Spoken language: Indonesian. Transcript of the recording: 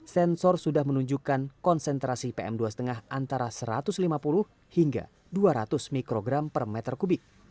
sensor sudah menunjukkan konsentrasi pm dua lima antara satu ratus lima puluh hingga dua ratus mikrogram per meter kubik